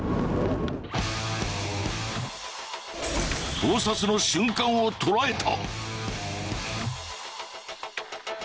盗撮の瞬間をとらえた。